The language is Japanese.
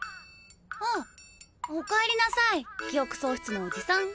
あお帰りなさい記憶喪失のオジさん。